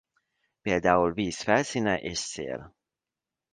Például víz felszíne és szél.